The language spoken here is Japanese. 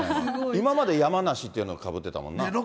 今までヤマナシいうのかぶってたもんな。